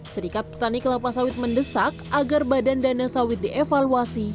serikat petani kelapa sawit mendesak agar badan dana sawit dievaluasi